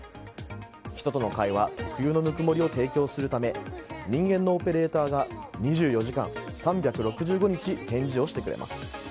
人との会話、特有のぬくもりを提供するため人間のオペレーターが２４時間３６５日返事をしてくれます。